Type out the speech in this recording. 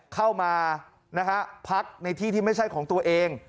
เข้ามาพักในที่ที่ไม่ใช่ของตัวเอง